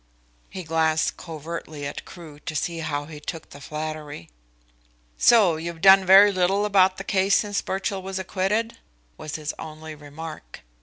He glanced covertly at Crewe to see how he took the flattery. "So you've done very little about the case since Birchill was acquitted?" was his only remark.